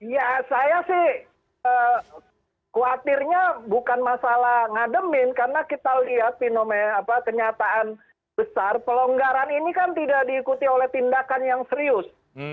ya saya sih khawatirnya bukan masalah ngademin karena kita lihat kenyataan besar pelonggaran ini kan tidak diikuti oleh tindakan yang serius